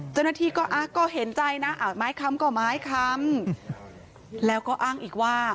เจ้าหน้าที่ก็เห็นใจนะไม้คำก็ไม้คำแล้วก็อ้างอีกว่า